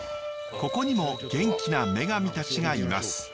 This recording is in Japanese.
ここにも元気な女神たちがいます。